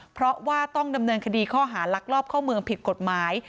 เพราะว่าต้องดำเนินคดีข้อหาลักลอบเข้าเมืองผิดกฎหมาย